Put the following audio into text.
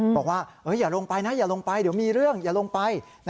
บอกว่าอย่าลงไปนะอย่าลงไปเดี๋ยวมีเรื่องอย่าลงไป